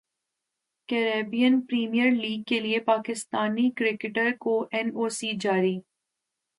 Caribbean Premier League کیلئے Pakistani cricketers کو N O C جاری